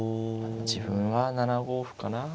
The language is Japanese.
自分は７五歩かな。